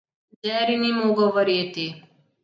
Jerry ni mogel verjeti.